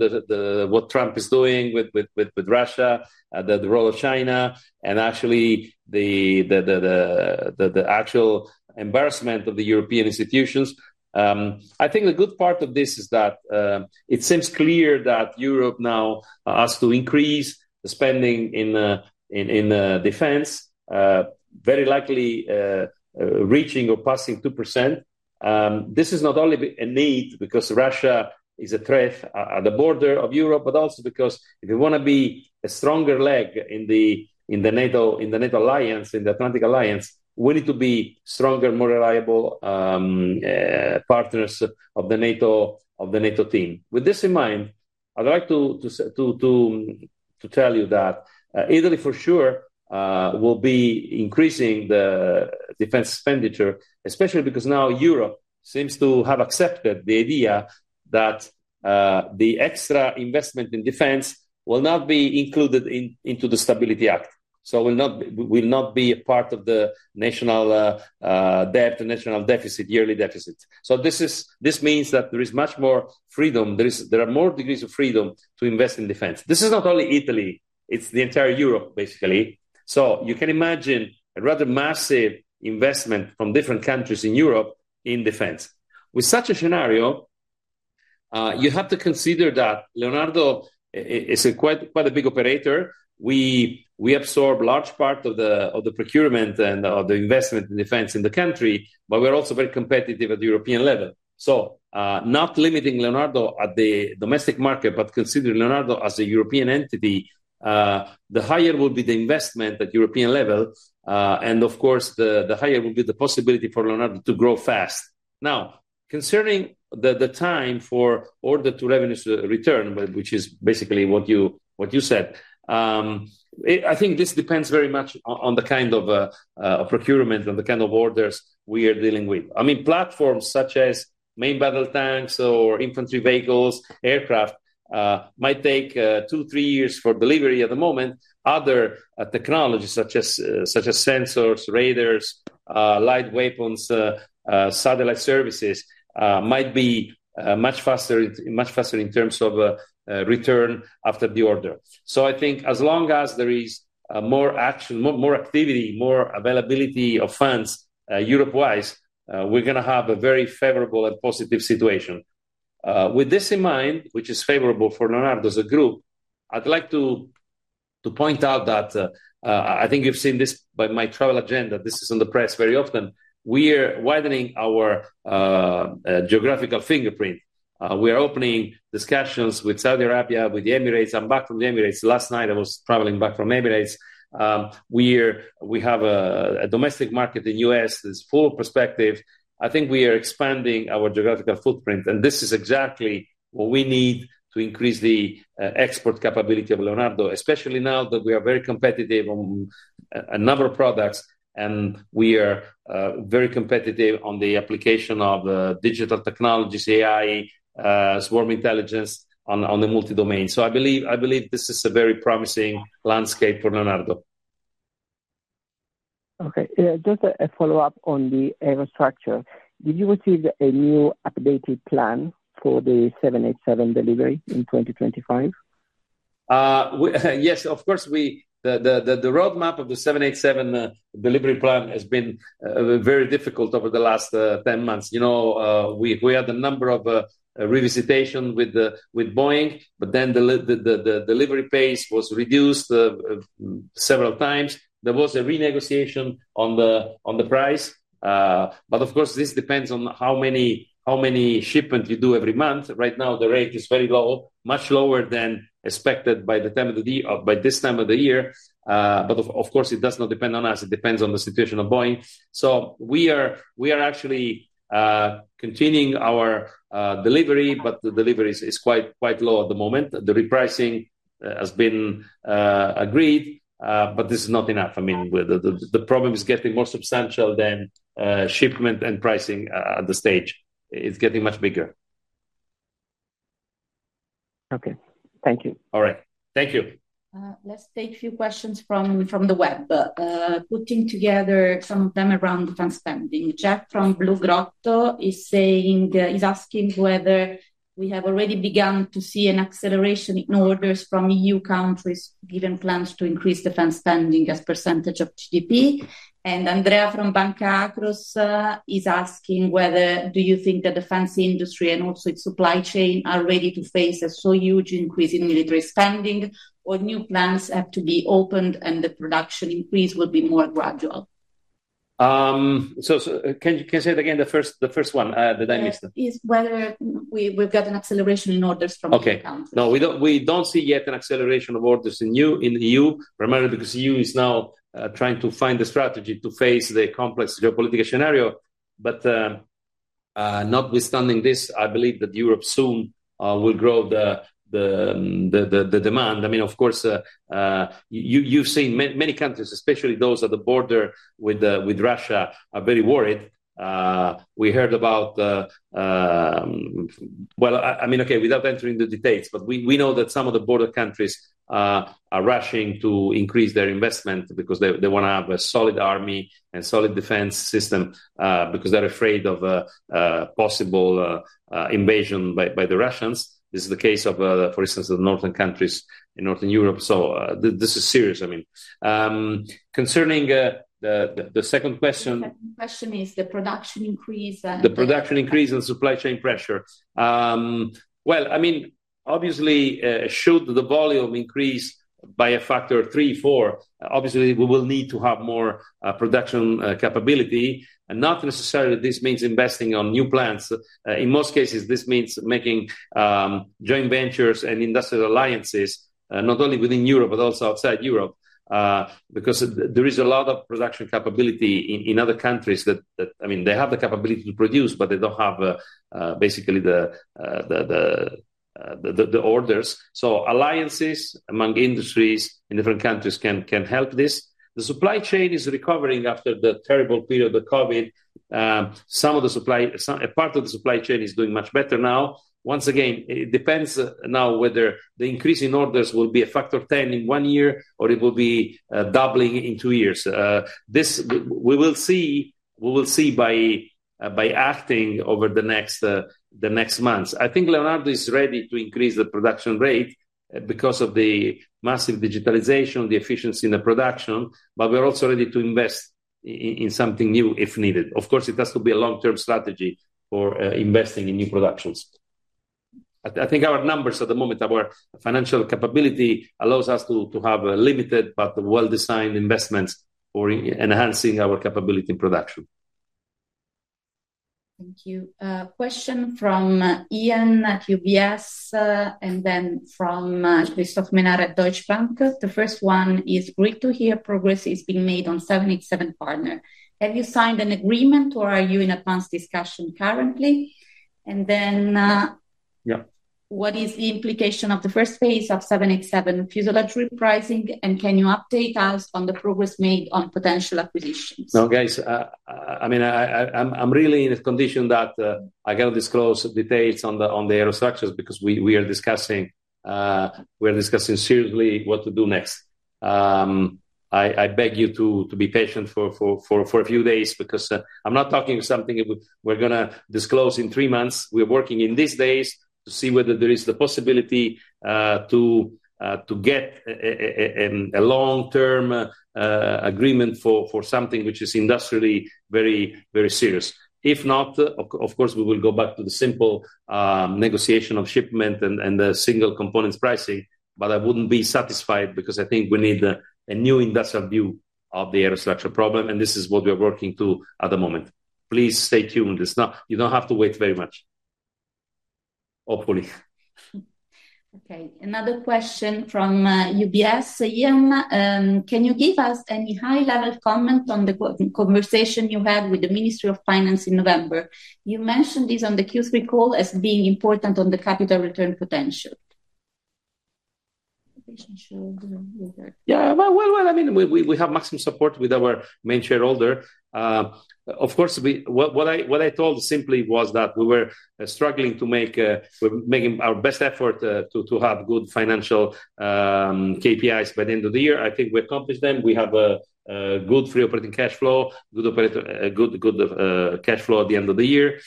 what Trump is doing with Russia, the role of China, and actually the actual embarrassment of the European institutions. I think the good part of this is that it seems clear that Europe now has to increase the spending in defense, very likely reaching or passing 2%. This is not only a need because Russia is a threat at the border of Europe, but also because if you want to be a stronger leg in the NATO alliance, in the Atlantic alliance, we need to be stronger, more reliable partners of the NATO team. With this in mind, I'd like to tell you that Italy, for sure, will be increasing the defense expenditure, especially because now Europe seems to have accepted the idea that the extra investment in defense will not be included into the Stability Act. So it will not be a part of the national debt, national deficit, yearly deficit. So this means that there is much more freedom. There are more degrees of freedom to invest in defense. This is not only Italy. It's the entire Europe, basically. So you can imagine a rather massive investment from different countries in Europe in defense. With such a scenario, you have to consider that Leonardo is quite a big operator. We absorb large parts of the procurement and of the investment in defense in the country, but we're also very competitive at the European level. So not limiting Leonardo at the domestic market, but considering Leonardo as a European entity, the higher will be the investment at the European level. And of course, the higher will be the possibility for Leonardo to grow fast. Now, concerning the time for order to revenues return, which is basically what you said, I think this depends very much on the kind of procurement and the kind of orders we are dealing with. I mean, platforms such as main battle tanks or infantry vehicles, aircraft might take two, three years for delivery at the moment. Other technologies such as sensors, radars, light weapons, satellite services might be much faster in terms of return after the order. So I think as long as there is more action, more activity, more availability of funds Europe-wise, we're going to have a very favorable and positive situation. With this in mind, which is favorable for Leonardo as a group, I'd like to point out that I think you've seen this by my travel agenda. This is in the press very often. We are widening our geographical footprint. We are opening discussions with Saudi Arabia, with the Emirates. I'm back from the Emirates. Last night, I was traveling back from Emirates. We have a domestic market in the U.S. that is full of perspective. I think we are expanding our geographical footprint, and this is exactly what we need to increase the export capability of Leonardo, especially now that we are very competitive on a number of products, and we are very competitive on the application of digital technologies, AI, swarm intelligence on the multi-domain. So I believe this is a very promising landscape for Leonardo. Okay. Just a follow-up on the Aerostructure. Did you receive a new updated plan for the 787 delivery in 2025? Yes, of course. The roadmap of the 787 delivery plan has been very difficult over the last 10 months. We had a number of revisitations with Boeing, but then the delivery pace was reduced several times. There was a renegotiation on the price. But of course, this depends on how many shipments you do every month. Right now, the rate is very low, much lower than expected by this time of the year. But of course, it does not depend on us. It depends on the situation of Boeing. So we are actually continuing our delivery, but the delivery is quite low at the moment. The repricing has been agreed, but this is not enough. I mean, the problem is getting more substantial than shipment and pricing at the stage. It's getting much bigger. Okay. Thank you. All right. Thank you. Let's take a few questions from the web, putting together some of them around defense spending. Jeff from Blue Grotto Capital is asking whether we have already begun to see an acceleration in orders from EU countries given plans to increase defense spending as a percentage of GDP. Andrea from Banca Akros is asking, do you think that the defense industry and also its supply chain are ready to face a so huge increase in military spending, or new plans have to be opened and the production increase will be more gradual? So can you say that again, the first one that I missed? Is whether we've got an acceleration in orders from other countries. Okay. No, we don't see yet an acceleration of orders in the EU, primarily because the EU is now trying to find a strategy to face the complex geopolitical scenario, but notwithstanding this, I believe that Europe soon will grow the demand. I mean, of course, you've seen many countries, especially those at the border with Russia, are very worried. We heard about, well, I mean, okay, without entering the details, but we know that some of the border countries are rushing to increase their investment because they want to have a solid army and solid defense system because they're afraid of a possible invasion by the Russians. This is the case of, for instance, the northern countries in northern Europe. So this is serious, I mean. Concerning the second question. The second question is the production increase. The production increase and supply chain pressure. Well, I mean, obviously, should the volume increase by a factor of three, four, obviously, we will need to have more production capability, and not necessarily this means investing on new plants. In most cases, this means making joint ventures and industrial alliances not only within Europe, but also outside Europe, because there is a lot of production capability in other countries that, I mean, they have the capability to produce, but they don't have basically the orders. So alliances among industries in different countries can help this. The supply chain is recovering after the terrible period of COVID. Part of the supply chain is doing much better now. Once again, it depends now whether the increase in orders will be a factor 10 in one year or it will be doubling in two years. We will see by acting over the next months. I think Leonardo is ready to increase the production rate because of the massive digitalization, the efficiency in the production, but we're also ready to invest in something new if needed. Of course, it has to be a long-term strategy for investing in new productions. I think our numbers at the moment, our financial capability allows us to have limited but well-designed investments for enhancing our capability in production. Thank you. Question from Ian at UBS and then from Christophe Menard at Deutsche Bank. The first one is, great to hear progress is being made on 787 partner. Have you signed an agreement or are you in advanced discussion currently? And then. Yeah. What is the implication of the first phase of 787 fuselage repricing, and can you update us on the progress made on potential acquisitions? No, guys. I mean, I'm really in a condition that I cannot disclose details on the Aerostructures because we are discussing seriously what to do next. I beg you to be patient for a few days because I'm not talking about something we're going to disclose in three months. We're working in these days to see whether there is the possibility to get a long-term agreement for something which is industrially very serious. If not, of course, we will go back to the simple negotiation of shipment and the single components pricing, but I wouldn't be satisfied because I think we need a new industrial view of the Aerostructure problem, and this is what we are working to at the moment. Please stay tuned. You don't have to wait very much, hopefully. Okay. Another question from UBS. Ian, can you give us any high-level comment on the conversation you had with the Ministry of Finance in November? You mentioned this on the Q3 call as being important on the capital return potential. Yeah. I mean, we have maximum support with our main shareholder. Of course, what I told simply was that we were struggling to make our best effort to have good financial KPIs by the end of the year. I think we accomplished them. We have a good free operating cash flow, good cash flow at the end of the year.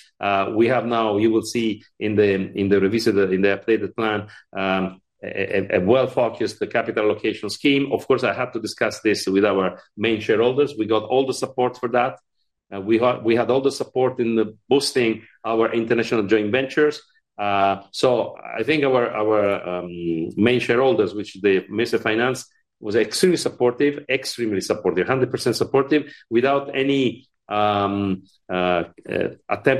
We have now, you will see in the revisited, in the updated plan, a well-focused capital allocation scheme. Of course, I have to discuss this with our main shareholders. We got all the support for that. We had all the support in boosting our international joint ventures. I think our main shareholders, which the MEF was extremely supportive, extremely supportive, 100% supportive without any attempt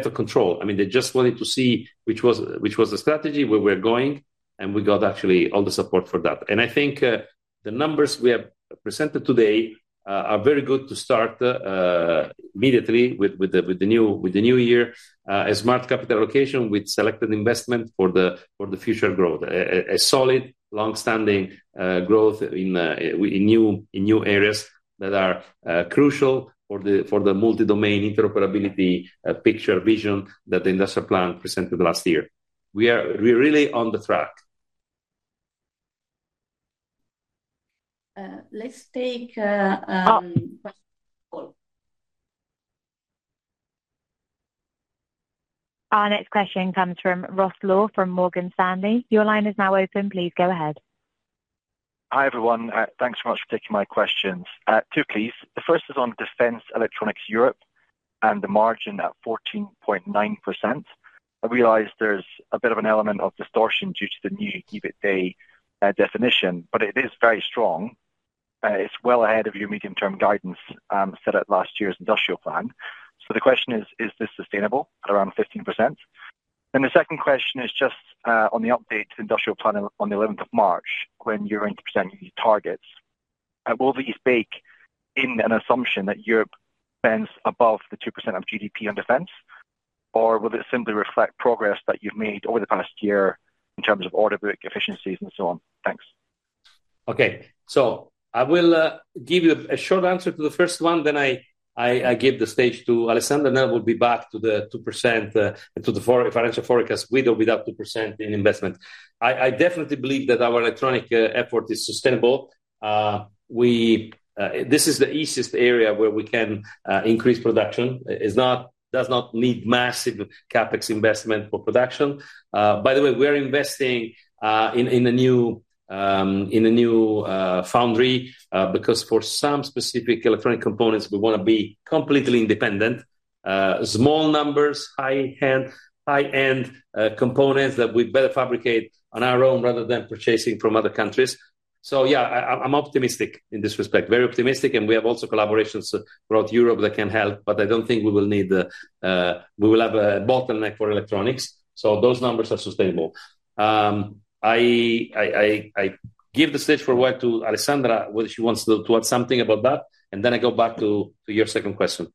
of control. I mean, they just wanted to see which was the strategy we were going, and we got actually all the support for that. And I think the numbers we have presented today are very good to start immediately with the new year, a smart capital allocation with selected investment for the future growth, a solid, long-standing growth in new areas that are crucial for the multi-domain interoperability picture vision that the industrial plan presented last year. We are really on the track. Let's take a question on the call. Our next question comes from Ross Law from Morgan Stanley. Your line is now open. Please go ahead. Hi everyone. Thanks so much for taking my questions. Two pieces. The first is on Defense Electronics Europe and the margin at 14.9%. I realize there's a bit of an element of distortion due to the new EBITDA definition, but it is very strong. It's well ahead of your medium-term guidance set at last year's industrial plan. So the question is, is this sustainable at around 15%? And the second question is just on the update to the industrial plan on the 11th of March, when you're going to present your targets. Will these bake in an assumption that Europe spends above the 2% of GDP on defense, or will it simply reflect progress that you've made over the past year in terms of order book efficiencies and so on? Thanks. Okay. So I will give you a short answer to the first one, then I give the stage to Alessandra, and then we'll be back to the 2% and to the financial forecast with or without 2% in investment. I definitely believe that our electronic effort is sustainable. This is the easiest area where we can increase production. It does not need massive CapEx investment for production. By the way, we are investing in a new foundry because for some specific electronic components, we want to be completely independent. Small numbers, high-end components that we better fabricate on our own rather than purchasing from other countries. So yeah, I'm optimistic in this respect, very optimistic, and we have also collaborations throughout Europe that can help, but I don't think we will have a bottleneck for electronics. So those numbers are sustainable. I give the stage forward to Alessandra whether she wants to add something about that, and then I go back to your second question.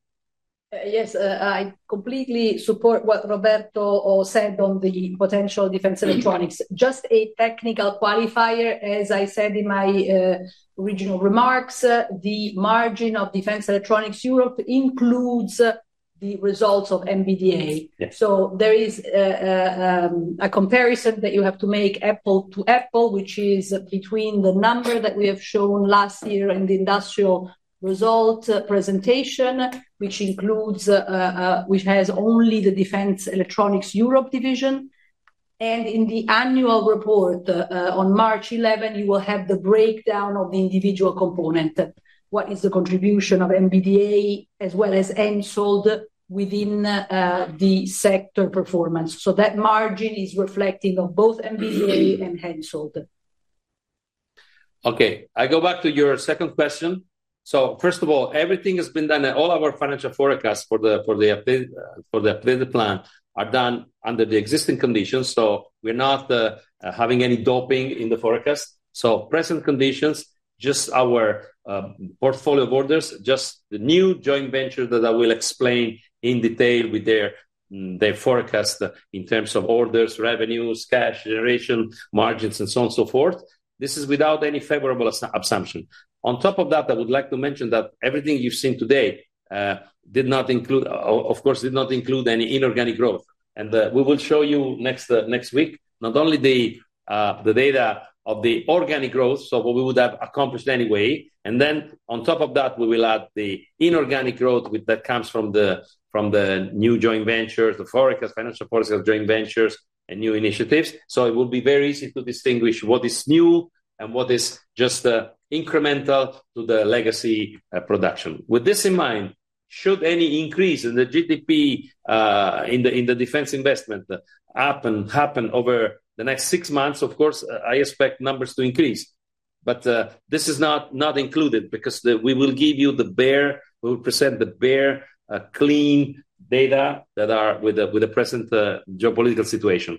Yes. I completely support what Roberto said on the potential defense electronics. Just a technical qualifier, as I said in my original remarks, the margin of defense electronics Europe includes the results of MBDA. So there is a comparison that you have to make apple to apple, which is between the number that we have shown last year and the industrial result presentation, which has only the defense electronics Europe division, and in the annual report on March 11, you will have the breakdown of the individual component, what is the contribution of MBDA as well as HENSOLDT within the sector performance, so that margin is reflecting on both MBDA and HENSOLDT. Okay. I go back to your second question, so first of all, everything has been done. All our financial forecasts for the updated plan are done under the existing conditions, so we're not having any doping in the forecast. So, present conditions, just our portfolio of orders, just the new joint venture that I will explain in detail with their forecast in terms of orders, revenues, cash generation, margins, and so on and so forth. This is without any favorable assumption. On top of that, I would like to mention that everything you've seen today did not include, of course, did not include any inorganic growth. And we will show you next week not only the data of the organic growth, so what we would have accomplished anyway. And then on top of that, we will add the inorganic growth that comes from the new joint ventures, the forecast, financial forecast, joint ventures, and new initiatives. So it will be very easy to distinguish what is new and what is just incremental to the legacy production. With this in mind, should any increase in the GDP in the defense investment happen over the next six months, of course, I expect numbers to increase. But this is not included because we will give you the bear case; we will present the bear case clean data that are with the present geopolitical situation.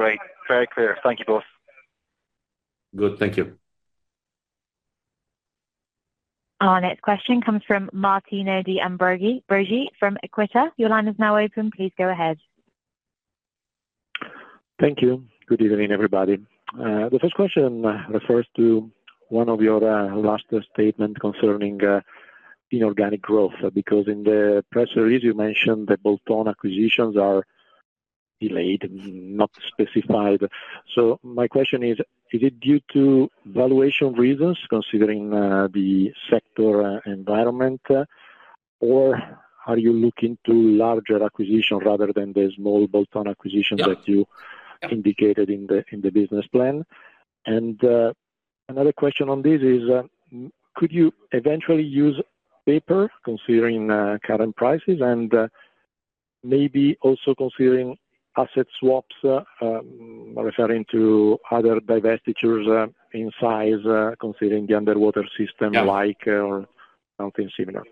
Great. Very clear. Thank you both. Good. Thank you. Our next question comes from Martino De Ambroggi from EQUITA. Your line is now open. Please go ahead. Thank you. Good evening, everybody. The first question refers to one of your last statements concerning inorganic growth because in the press release, you mentioned that bolt-on acquisitions are delayed, not specified. So my question is, is it due to valuation reasons considering the sector environment, or are you looking to larger acquisitions rather than the small bolt-on acquisitions that you indicated in the business plan? Another question on this is, could you eventually use paper considering current prices and maybe also considering asset swaps, referring to other divestitures in size considering the underwater system like or something similar?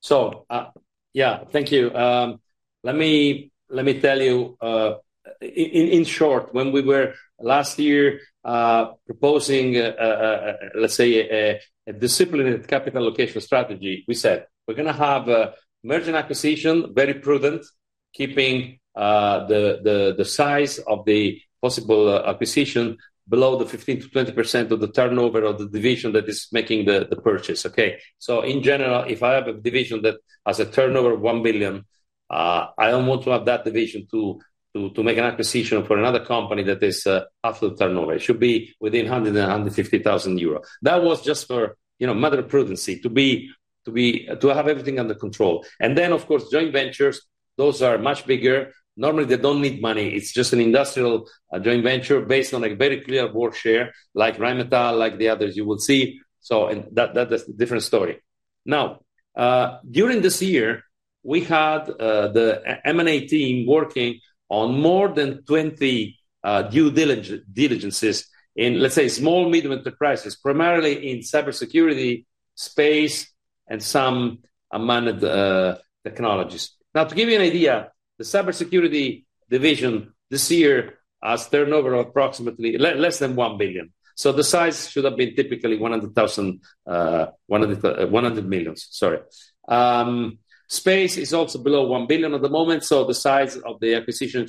So yeah, thank you. Let me tell you in short, when we were last year proposing, let's say, a disciplined capital allocation strategy, we said, "We're going to have a merging acquisition, very prudent, keeping the size of the possible acquisition below the 15%-20% of the turnover of the division that is making the purchase." Okay. So in general, if I have a division that has a turnover of 1 million, I don't want to have that division to make an acquisition for another company that is half the turnover. It should be within 100,000 to 150,000 euros. That was just for mere prudence to have everything under control. Then, of course, joint ventures, those are much bigger. Normally, they don't need money. It's just an industrial joint venture based on a very clear board share like Rheinmetall, like the others you will see. So that's a different story. Now, during this year, we had the M&A team working on more than 20 due diligences in, let's say, small, medium enterprises, primarily in cybersecurity space and some managed technologies. Now, to give you an idea, the cybersecurity division this year has turnover of approximately less than 1 billion. So the size should have been typically 100 million. Sorry. Space is also below 1 billion at the moment. So the size of the acquisition,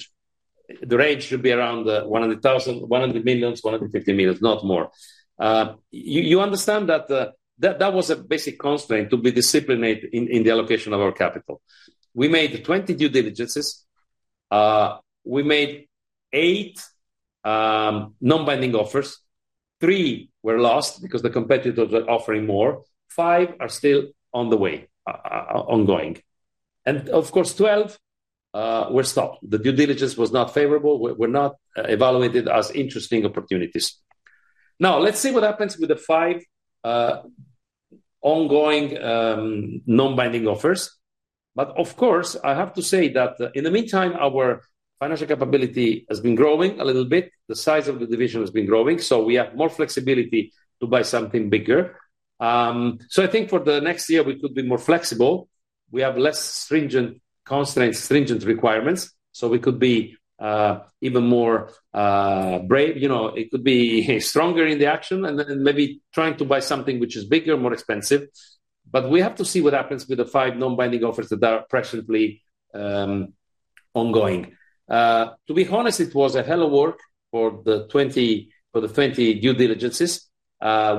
the range should be around 100 million to 150 million, not more. You understand that that was a basic constraint to be disciplined in the allocation of our capital. We made 20 due diligences. We made eight non-binding offers. Three were lost because the competitors were offering more. Five are still ongoing, and of course, 12 were stopped. The due diligence was not favorable. We're not evaluated as interesting opportunities. Now, let's see what happens with the five ongoing non-binding offers, but of course, I have to say that in the meantime, our financial capability has been growing a little bit. The size of the division has been growing, so we have more flexibility to buy something bigger, so I think for the next year, we could be more flexible. We have less stringent constraints, stringent requirements, so we could be even more brave. It could be stronger in the action and then maybe trying to buy something which is bigger, more expensive, but we have to see what happens with the five non-binding offers that are presently ongoing. To be honest, it was a hell of work for the 20 due diligences.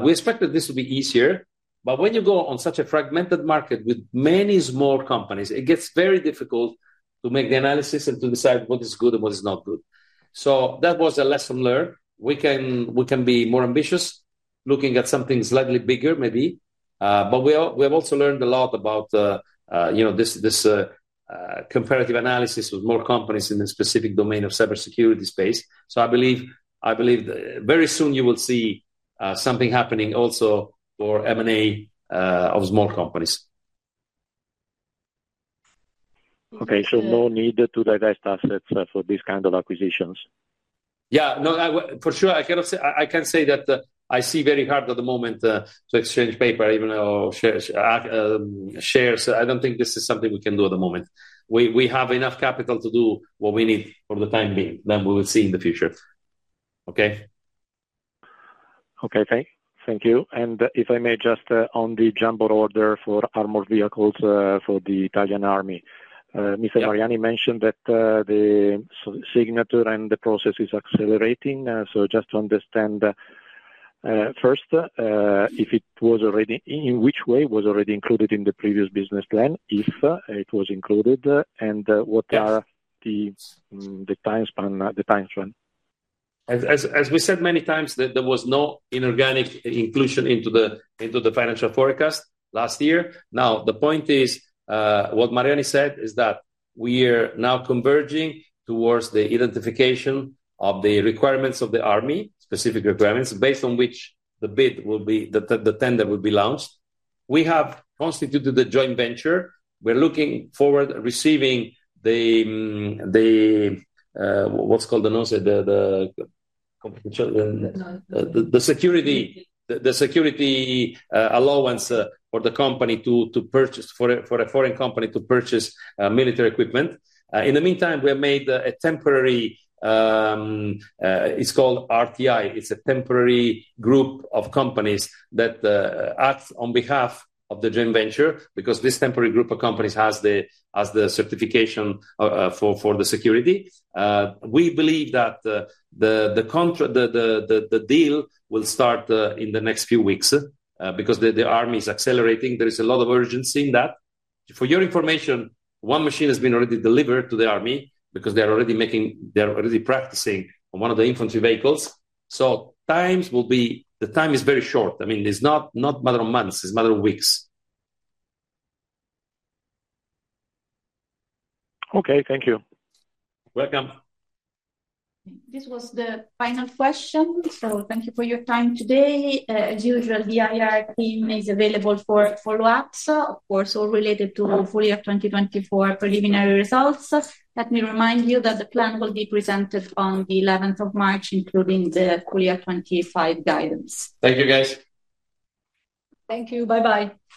We expected this to be easier. But when you go on such a fragmented market with many small companies, it gets very difficult to make the analysis and to decide what is good and what is not good. So that was a lesson learned. We can be more ambitious looking at something slightly bigger, maybe. But we have also learned a lot about this comparative analysis with more companies in the specific domain of cybersecurity space. So I believe very soon you will see something happening also for M&A of small companies. Okay. So no need to divest assets for these kinds of acquisitions. Yeah. No, for sure. I can say that I see very hard at the moment to exchange paper, even shares. I don't think this is something we can do at the moment. We have enough capital to do what we need for the time being. Then we will see in the future. Okay? Okay. Thank you. And if I may just on the jumbo order for armored vehicles for the Italian Army. Mr. Mariani mentioned that the signature and the process is accelerating. So just to understand first if it was already in which way was already included in the previous business plan, if it was included, and what are the timespan? As we said many times, there was no inorganic inclusion into the financial forecast last year. Now, the point is what Mariani said is that we are now converging towards the identification of the requirements of the army, specific requirements based on which the bid will be the tender will be launched. We have constituted the joint venture. We're looking forward to receiving what's called the security allowance for the company to purchase for a foreign company to purchase military equipment. In the meantime, we have made a temporary; it's called RTI. It's a temporary group of companies that acts on behalf of the joint venture because this temporary group of companies has the certification for the security. We believe that the deal will start in the next few weeks because the army is accelerating. There is a lot of urgency in that. For your information, one machine has been already delivered to the army because they're already practicing on one of the infantry vehicles. So the time is very short. I mean, it's not a matter of months. It's a matter of weeks. Okay. Thank you. Welcome. This was the final question. So thank you for your time today. As usual, the IR team is available for follow-ups, of course, all related to full year 2024 preliminary results. Let me remind you that the plan will be presented on the 11th of March, including the full year 2025 guidance. Thank you, guys. Thank you. Bye-bye.